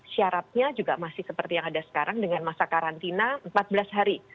syaratnya juga masih seperti yang ada sekarang dengan masa karantina empat belas hari